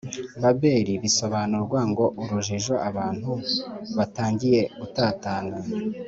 Babeli bisobanurwa ngo urujijo Abantu batangiye gutatana